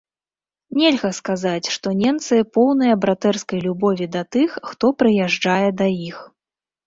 Нельга сказаць, што ненцы поўныя братэрскай любові да тых, хто прыязджае да іх.